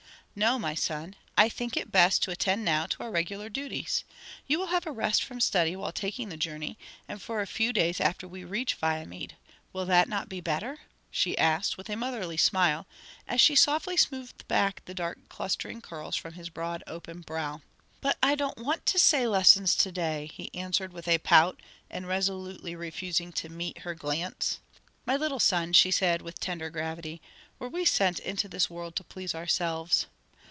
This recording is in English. "No, my son; I think it best to attend now to our regular duties. You will have a rest from study while taking the journey, and for a few days after we reach Viamede. Will not that be better?" she asked, with a motherly smile, as she softly smoothed back the dark clustering curls from his broad open brow. "But I don't want to say lessons to day," he answered with a pout, and resolutely refusing to meet her glance. "My little son," she said, with tender gravity, "were we sent into this world to please ourselves?"